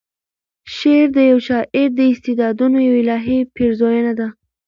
شعر د یوه شاعر د استعدادونو یوه الهې پیرزویَنه ده.